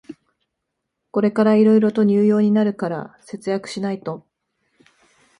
これからいろいろと入用になるから節約しないと